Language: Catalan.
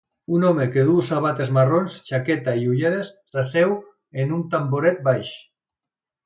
Un home que duu sabates marrons, jaqueta i ulleres s'asseu en un tamboret baix.